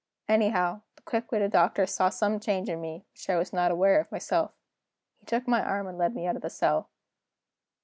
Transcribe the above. Anyhow, the quick witted Doctor saw some change in me, which I was not aware of myself. He took my arm and led me out of the cell.